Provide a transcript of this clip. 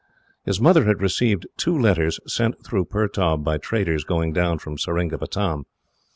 His mother had received two letters, sent through Pertaub by traders going down from Seringapatam.